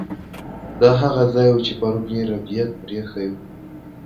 دا هغه ځای و چې پرون یې ربیټ پریښی و